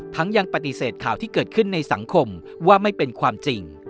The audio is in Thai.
ยังปฏิเสธข่าวที่เกิดขึ้นในสังคมว่าไม่เป็นความจริง